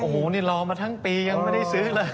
โอ้โหนี่รอมาทั้งปียังไม่ได้ซื้อเลย